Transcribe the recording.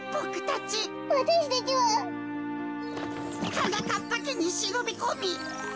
はなかっぱけにしのびこみ。